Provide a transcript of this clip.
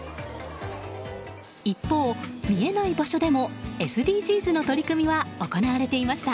一方、見えない場所でもＳＤＧｓの取り組みは行われていました。